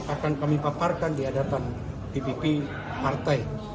akan kami paparkan di hadapan dpp partai